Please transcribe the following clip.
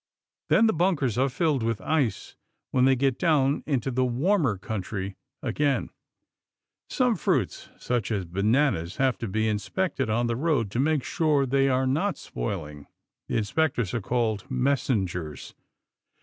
Then the bunkers are filled with ice when they get down into warmer country again. Some fruits, such as bananas, have to be inspected on the road to make sure they are not spoiling. The inspectors are called messengers.